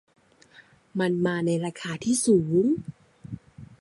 มันมาในราคาที่สูง